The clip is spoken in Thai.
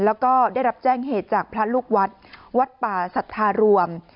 แล้วก็ได้รับแจ้งเหตุจากพระลูกวัดวัดป่าสัทธารวม